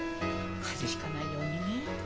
風邪ひかないようにね。